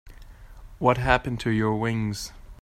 What happened to your wings?